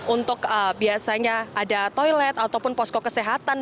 untuk biasanya ada toilet ataupun posko kesehatan